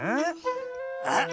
あっ！